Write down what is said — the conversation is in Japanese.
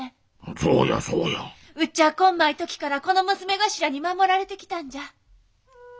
そうやそうやうっちゃあこんまい時からこの娘頭に守られてきたんじゃ。